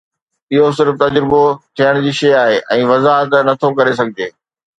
اهو صرف تجربو ٿيڻ جي شيء آهي ۽ وضاحت نه ٿو ڪري سگهجي